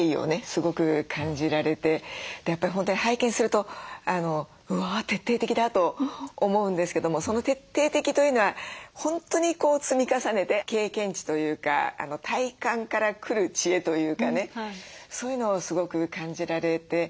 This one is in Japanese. すごく感じられてやっぱり本当に拝見するとうわ徹底的だと思うんですけどもその徹底的というのは本当に積み重ねて経験値というか体感から来る知恵というかねそういうのをすごく感じられて。